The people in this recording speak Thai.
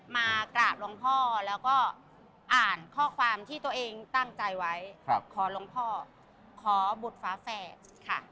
มากราบหลวงพ่อแล้วก็อ่านข้อความที่ตัวเองตั้งใจไว้ขอหลวงพ่อขอบุตรฝาแฝดค่ะ